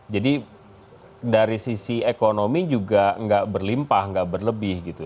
jadi dari sisi ekonomi juga gak berlimpah gak berlebih gitu